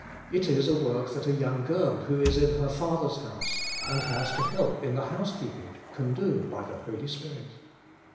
It is a work that a young girl who is in her father's house and has to help in the housekeeping can do by the Holy Spirit.